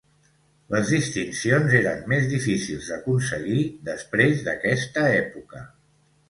Les distincions eren més difícils d'aconseguir després d'aquesta època.